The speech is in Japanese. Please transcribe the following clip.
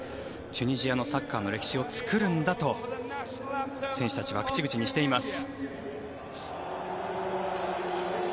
チュニジアのサッカーの歴史を作るんだと選手たちは口々にしています。